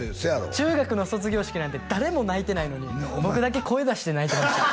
中学の卒業式なんて誰も泣いてないのに僕だけ声出して泣いてました